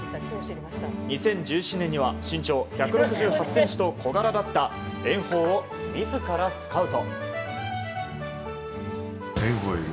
２０１７年には身長１６８ｃｍと小柄だった炎鵬を自らスカウト。